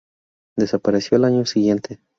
Desapareció al año siguiente.